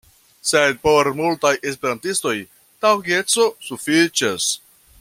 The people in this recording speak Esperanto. Sed por multaj Esperantistoj taŭgeco sufiĉas.